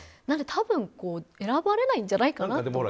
なので、多分選ばれないんじゃないかなと。